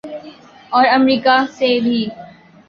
اور امریکہ سے بھی۔